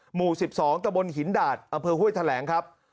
หมู่๑๒ตะบนหินดาดอำเภอห้วยแถลงครับ